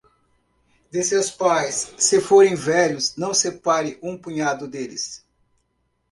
De seus pais, se forem velhos, não separe um punhado deles.